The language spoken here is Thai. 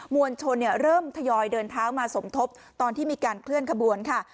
วลชนเริ่มทยอยเดินเท้ามาสมทบตอนที่มีการเคลื่อนขบวนค่ะ